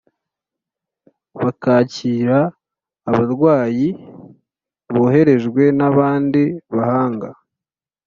Bakakira abarwayi boherejwe n abandi bahanga